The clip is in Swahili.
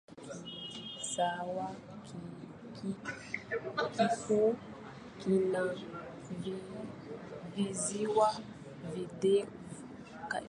Kando ya kisiwa kikuu kuna visiwa vidogo kadhaa bila watu.